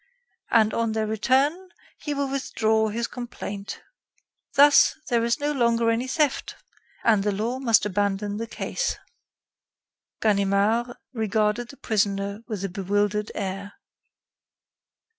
And on their return, he will withdraw his complaint. Thus, there is no longer any theft, and the law must abandon the case." Ganimard regarded the prisoner with a bewildered air.